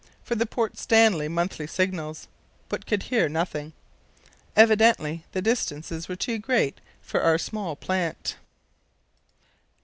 for the Port Stanley monthly signals, but could hear nothing. Evidently the distances were too great for our small plant.